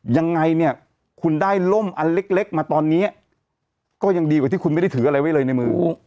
ยังไงเนี่ยคุณได้ล่มอันเล็กมาตอนนี้ก็ยังดีกว่าที่คุณไม่ได้ถืออะไรไว้เลยในมือ